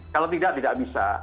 kalau tidak tidak bisa